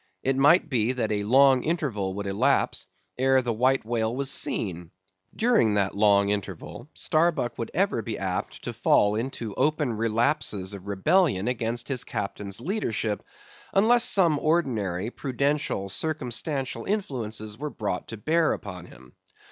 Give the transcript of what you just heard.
It might be that a long interval would elapse ere the White Whale was seen. During that long interval Starbuck would ever be apt to fall into open relapses of rebellion against his captain's leadership, unless some ordinary, prudential, circumstantial influences were brought to bear upon him.